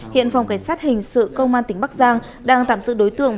hiện phòng cảnh sát hình sự công an tỉnh bắc giang đang tạm giữ đối tượng